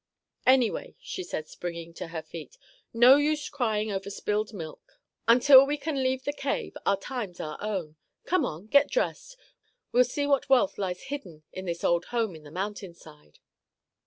"Anyway," she said, springing to her feet, "no use crying over spilled milk. Until we can leave the cave our time's our own. Come on. Get dressed. We'll see what wealth lies hidden in this old home in the mountain side."